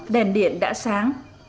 đèn điện đã sáng